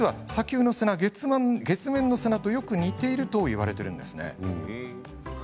実は、砂丘の砂は月面の砂とよく似ているといわれているんですね。